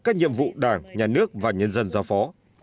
các nhiệm vụ đảng nhà nước và nhân dân giao phó